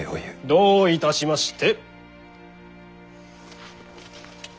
どういたしまして。